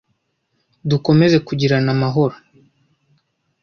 dukomeze kugirana amahoro